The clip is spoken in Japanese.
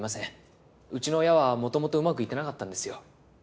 うちの親は元々うまくいってなかったんですよ。